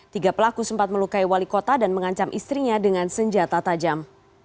tiga pelaku sempat melukai wali kota dan mengancam istrinya dengan senjata tajam